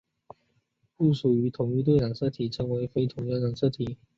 不属于同一对的染色体称为非同源染色体。